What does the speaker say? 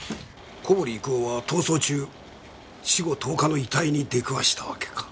小堀育男は逃走中死後１０日の遺体に出くわしたわけか。